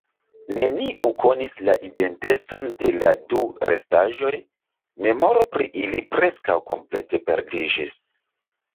Neniu konis la identecon de la du restaĵoj, memoro pri ili preskaŭ komplete perdiĝis.